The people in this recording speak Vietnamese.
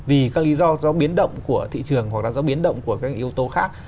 vì các lý do do biến động của thị trường hoặc là do biến động của các yếu tố khác